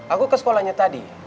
aku ke sekolahnya tadi